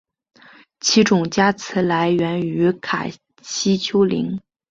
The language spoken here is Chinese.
其种加词来源于卡西丘陵。